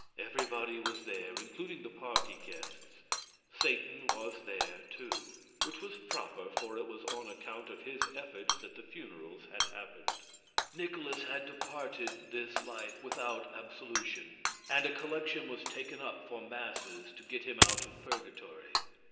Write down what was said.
Everybody was there, including the party guests. Satan was there, too; which was proper, for it was on account of his efforts that the funerals had happened. Nikolaus had departed this life without absolution, and a collection was taken up for masses, to get him out of purgatory.